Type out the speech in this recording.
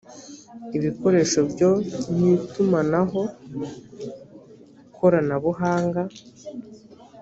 ibikoresho byo mu itumanaho koranabuhanga